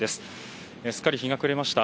すっかり日が暮れました。